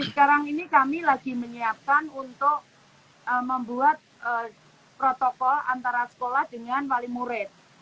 sekarang ini kami lagi menyiapkan untuk membuat protokol antara sekolah dengan wali murid